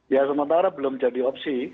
ya sementara belum jadi opsi